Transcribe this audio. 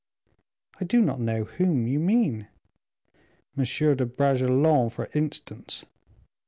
"I do not know whom you mean." "M. de Bragelonne, for instance."